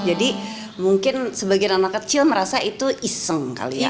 jadi mungkin sebagian anak kecil merasa itu iseng kali ya